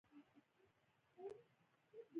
د ده د وزارت دوره د هرات د ریسانس دوره وبلل شوه.